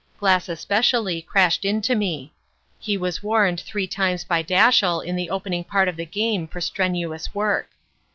Glass especially crashed into me. He was warned three times by Dashiell in the opening part of the game for strenuous work.